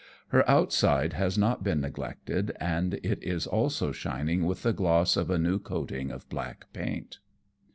Her outside has not been neglected, and it is also shining with the gloss of a new coating of black paint.